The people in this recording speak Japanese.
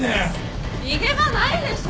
逃げ場ないでしょ。